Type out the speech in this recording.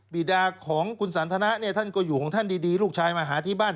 บีดาของคุณสันทนะเนี่ยท่านก็อยู่ของท่านดีลูกชายมาหาที่บ้าน